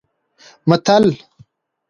متل